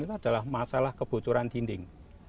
itu adalah masalah kebocoran dinding